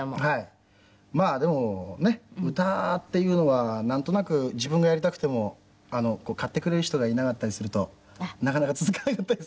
まあでもね歌っていうのはなんとなく自分がやりたくても買ってくれる人がいなかったりするとなかなか続かなかったりする。